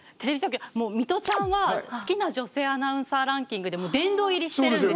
ミトちゃんは好きな女性アナウンサーランキングで殿堂入りしてるんです。